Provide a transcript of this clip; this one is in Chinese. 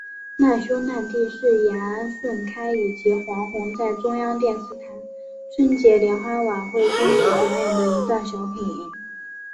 难兄难弟是严顺开以及黄宏在中央电视台春节联欢晚会中所表演的一段小品。